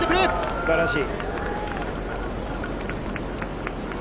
すばらしい。